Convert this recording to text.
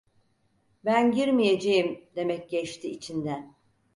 "Ben girmeyeceğim!" demek geçti içinden.